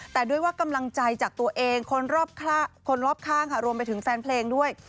แต่ด้วยว่ากำลังใจจากตัวเองคนรอบข้างค่ะรวมไปถึงแฟนเพลงด้วย